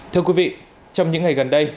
thưa quý vị trong những ngày gần đây